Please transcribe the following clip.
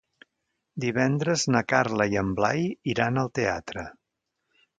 Divendres na Carla i en Blai iran al teatre.